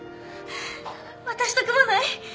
私と組まない？